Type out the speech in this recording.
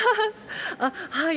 あっ、はい。